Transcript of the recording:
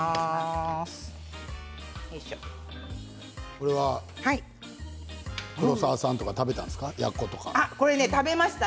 これは黒沢さんとか椿鬼奴さんは食べたんですか？